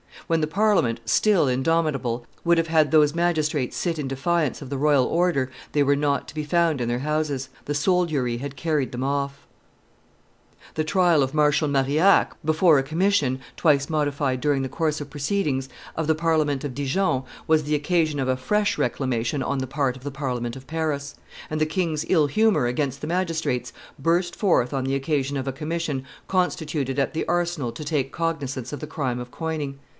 When the Parliament, still indomitable, would have had those magistrates sit in defiance of the royal order, they were not to be found in their houses; the soldiery had carried them off. [Illustration: The Parliament of Paris reprimanded 217] The trial of Marshal Marillac, before a commission, twice modified during the course of proceedings, of the Parliament of Dijon, was the occasion of a fresh reclamation on the part of the Parliament of Paris; and the king's ill humor against the magistrates burst forth on the occasion of a commission constituted at the Arsenal to take cognizance of the crime of coining.